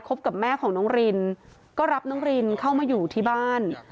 กับแม่ของน้องรินก็รับน้องรินเข้ามาอยู่ที่บ้าน